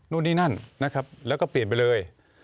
นู่นนี่นั่นนะครับแล้วก็เปลี่ยนไปเลย